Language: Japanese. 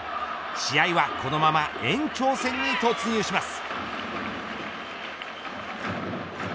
試合はこのまま延長戦へ突入します。